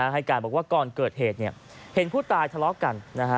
ให้การบอกว่าก่อนเกิดเหตุเห็นผู้ตายทะเลาะกัน